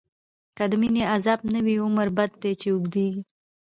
که دمينی عذاب نه وی، عمر بد کړی چی اوږديږی